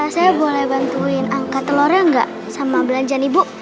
saya boleh bantuin angkat telornya gak sama belanjaan ibu